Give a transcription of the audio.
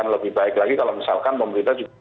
lebih baik lagi kalau misalkan pemerintah juga